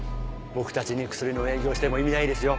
僕たちに薬の営業しても意味ないですよ。